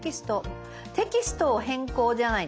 「テキストを変更」じゃないですか？